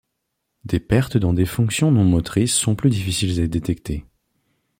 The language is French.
Des pertes dans des fonctions non motrices sont plus difficiles à détecter.